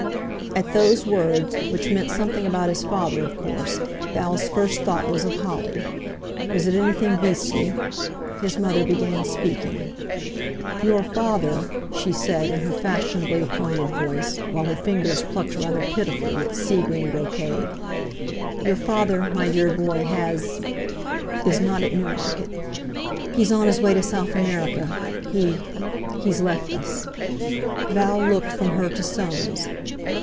At those words, which meant something about his father, of course, Val's first thought was of Holly. Was it anything beastly? His mother began speaking. "Your father," she said in her fashionably appointed voice, while her fingers plucked rather pitifully at sea green brocade, "your father, my dear boy, has—is not at Newmarket; he's on his way to South America. He—he's left us." Val looked from her to Soames.